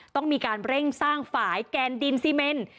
ต้องมีการเร่งสร้างฝ่ายแกนดินซีเมน